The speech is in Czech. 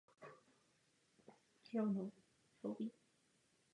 Fauna a flora je podobná jako v severní Africe.